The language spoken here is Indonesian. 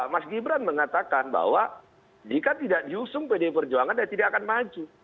mas gibran mengatakan bahwa jika tidak diusung pdi perjuangan dia tidak akan maju